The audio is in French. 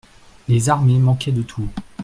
Les armées manquaient de tout.